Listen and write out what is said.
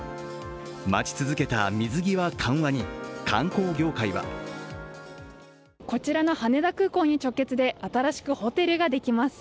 待ち続けた水際緩和に観光業界はこちらの羽田空港に直結で新しくホテルができます。